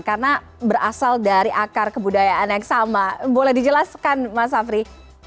karena berasal dari akar kebudayaan yang sama boleh dijelaskan mas afri